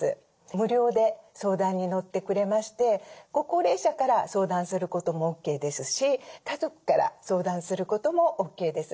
無料で相談に乗ってくれましてご高齢者から相談することもＯＫですし家族から相談することもＯＫです。